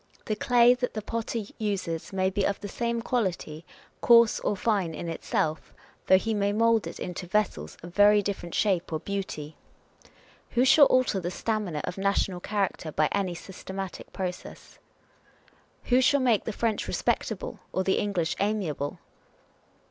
The clay that the potter uses may be of the same quality, coarse or fine in itself, though he may mould it into vessels of very different shape or beauty. Who shall alter the stamina of national character by any systematic process ? W ho shall make the French respectable, or the English amiable